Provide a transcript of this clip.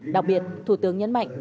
đặc biệt thủ tướng nhấn mạnh